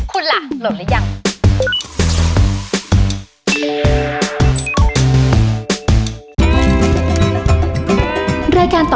คุณล่ะโหลดแล้วยัง